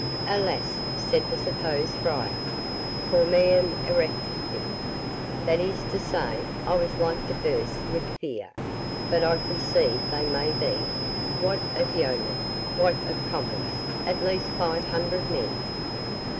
"Alas!" said the supposed friar, "'cor meum eructavit', that is to say, I was like to burst with fear! but I conceive they may be—what of yeomen—what of commons, at least five hundred men."